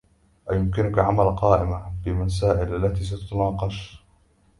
أيمكنك عمل قائمة بالمسائل التي ستناقش؟